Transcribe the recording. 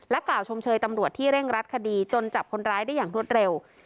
กล่าวชมเชยตำรวจที่เร่งรัดคดีจนจับคนร้ายได้อย่างรวดเร็ว